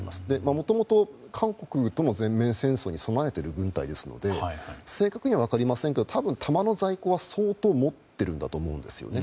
もともと、韓国とも全面戦争に備えている軍隊ですので正確には分かりませんが多分、弾の在庫は相当、持っているんだと思うんですね。